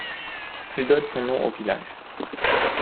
Elle donne son nom au village.